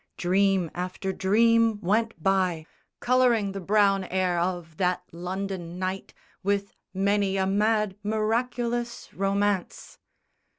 Dream after dream went by, Colouring the brown air of that London night With many a mad miraculous romance.